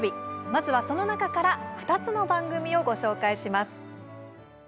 まずは、その中から２つの番組をご紹介します。